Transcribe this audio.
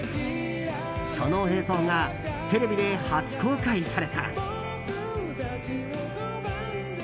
その映像がテレビで初公開された。